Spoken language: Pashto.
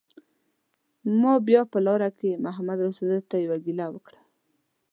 ما بیا په لاره کې محمدرسول ته یوه ګیله وکړه.